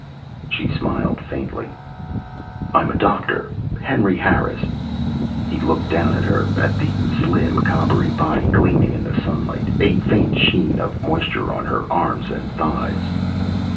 She smiled faintly. "I'm a doctor. Henry Harris." He looked down at her, at the slim coppery body, gleaming in the sunlight, a faint sheen of moisture on her arms and thighs.